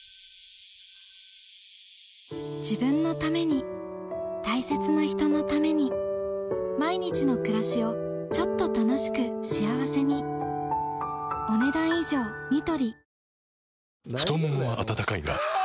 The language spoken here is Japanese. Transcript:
自分のために大切な人のために毎日の暮らしをちょっと楽しく幸せに太ももは温かいがあ！